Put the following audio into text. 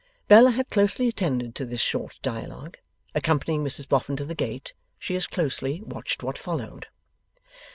Bella had closely attended to this short dialogue. Accompanying Mrs Boffin to the gate, she as closely watched what followed.